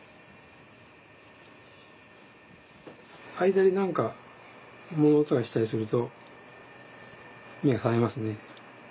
間に何か物音がしたりすると目が覚めますね。